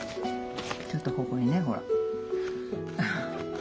ちょっとここにねほら。